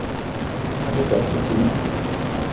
A te ke a titima.